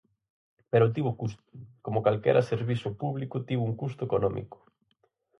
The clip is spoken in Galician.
Pero tivo custo, como calquera servizo público tivo un custo económico.